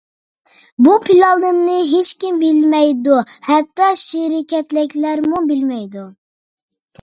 بۇ پىلانىمنى ھېچكىم بىلمەيدۇ، ھەتتا شىركەتتىكىلەرمۇ بىلمەيدۇ.